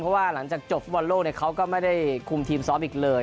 เพราะว่าหลังจากจบฟุตบอลโลกเขาก็ไม่ได้คุมทีมซ้อมอีกเลย